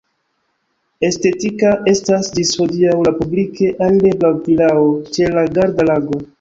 Estetika estas ĝis hodiaŭ la publike alirebla vilao ĉe la Garda-Lago.